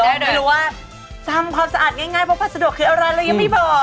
ไม่รู้ว่าทำความสะอาดง่ายเพราะพัสดุคืออะไรเรายังไม่บอก